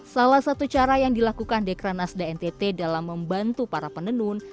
salah satu cara yang dilakukan dekran asdntt dalam membantu para penenun